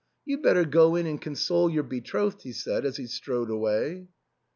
" You'd better go in and console your betrothed," he said as he strode away.